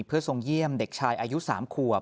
เพื่อทรงเยี่ยมเด็กชายอายุ๓ขวบ